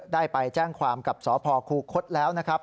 ได้ไปแจ้งความกับสพคูคศแล้วนะครับ